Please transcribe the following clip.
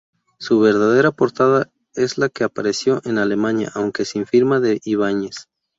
Su verdadera portada es la que apareció en Alemania, aunque sin firma de Ibáñez.